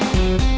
ya itu dia